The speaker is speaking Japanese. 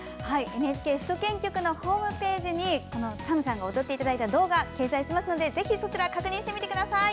ＮＨＫ首都圏局のホームページにＳＡＭさんが踊っていただいた動画を掲載しますのでぜひそちらを確認してみてください。